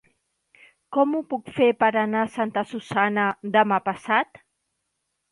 Com ho puc fer per anar a Santa Susanna demà passat?